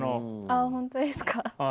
あっ本当ですか？